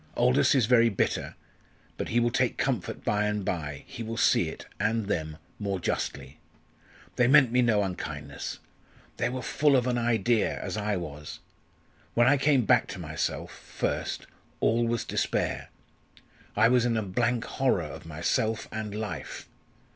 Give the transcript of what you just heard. Aldous is very bitter but he will take comfort by and by he will see it and them more justly. They meant me no unkindness. They were full of an idea, as I was. When I came back to myself first all was despair. I was in a blank horror of myself and life.